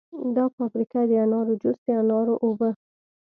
دا فابریکه د انارو جوس، د انارو اوبه